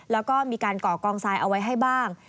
แล้วก็มีการก่อกองทรายเอาไว้ให้บ้าง